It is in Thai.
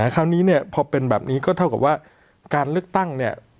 คราวนี้เนี่ยพอเป็นแบบนี้ก็เท่ากับว่าการเลือกตั้งเนี่ย